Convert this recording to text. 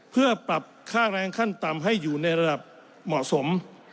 เพื่อปรับค่าแรงขั้นต่ำให้อยู่ในระดับเหมาะสม